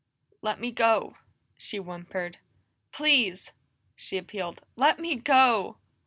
"Let me go," she whimpered. "Please!" she appealed. "Let me go!"